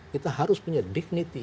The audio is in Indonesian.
kita harus punya dignity